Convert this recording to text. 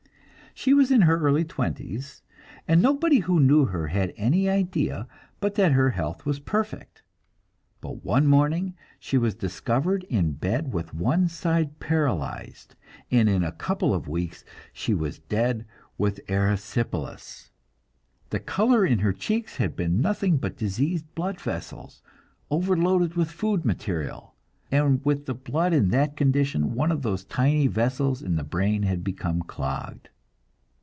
She was in her early twenties, and nobody who knew her had any idea but that her health was perfect. But one morning she was discovered in bed with one side paralyzed, and in a couple of weeks she was dead with erysipelas. The color in her cheeks had been nothing but diseased blood vessels, overloaded with food material; and with the blood in that condition, one of the tiny vessels in the brain had become clogged.